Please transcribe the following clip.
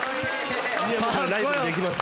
ライブでできます